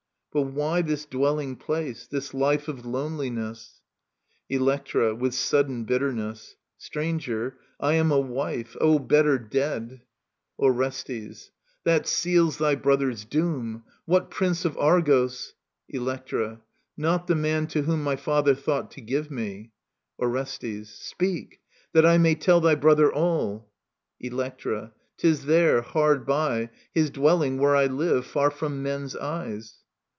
But why this dwelling place, this life Of loneliness ? Electra {with sudden bittimes5\ Stranger, I am a wife. ••• O better dead I Digitized by VjOOQIC ELECTRA 17 Orestbs,' That seals thy brother's doom ! What Prince of Argos ...? Electra. Not the man to whom My father thought to give me. Orsstss. Speak; that I May tell thy brother all. Electra. *Tis there, hard by. His dwelling, where I live, far from men's eyes.